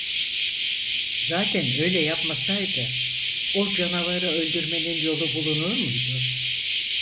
Zaten öyle yapmasaydı, o canavarı öldürmenin yolu bulunur muydu?